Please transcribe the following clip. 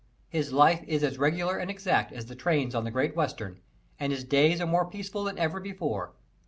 His life is as regular and exact as the trains on the Great Western, and his days are more peaceful than ever before.